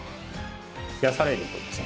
冷やされるとですね